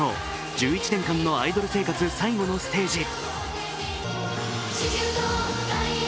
１１年間のアイドル生活最後のステージへ。